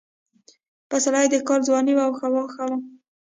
پسرلی د کال ځواني وه او هوا ښه وه.